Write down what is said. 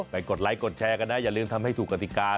กดไลค์กดแชร์กันนะอย่าลืมทำให้ถูกกติกา